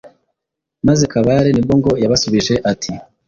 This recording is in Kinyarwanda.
maze Kabare nibwo ngo yabasubije ati: “